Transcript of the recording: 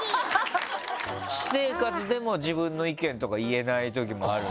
私生活でも自分の意見とか言えない時もあるの？